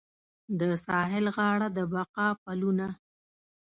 د ساحل غاړه د بقا پلونه